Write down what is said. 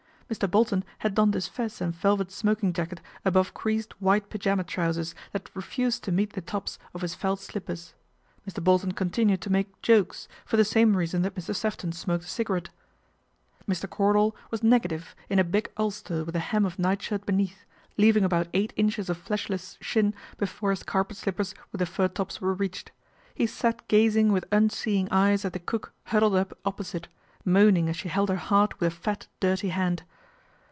Mr. Bolton had donned his fez and velvet smoking jacket above creased white pyjama trousers that refused to meet the tops of his felt slippers. Mr. Bolton continued to make " jokes," for the same reason that Mr. Sefton smoked a cigarette. THE AIR RAID 265 Mr. Cordal was negative in a big ulster with a hem of nightshirt beneath, leaving about eight inches of fleshless shin before his carpet slippers with the fur tops were reached. He sat gazing with unseeing eyes at the cook huddled up oppo site, moaning as she held her heart with a fat, dirty hand.